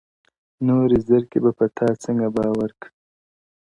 • نوري زرکي به په تا څنګه باور کړي ,